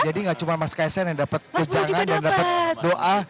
jadi gak cuma mas kaisang yang dapat ujangan dan dapat doa